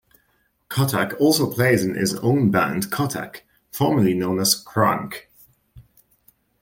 Kottak also plays in his own band Kottak, formerly known as KrunK.